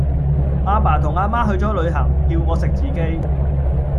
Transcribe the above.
阿爸同阿媽去左旅行，叫我食自己